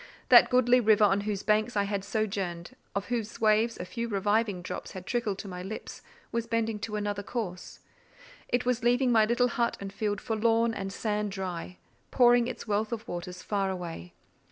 That goodly river on whose banks I had sojourned, of whose waves a few reviving drops had trickled to my lips, was bending to another course: it was leaving my little hut and field forlorn and sand dry, pouring its wealth of waters far away.